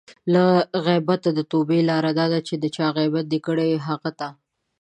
له غیبته د توبې لاره دا ده چې د چا غیبت دې کړی؛ هغه ته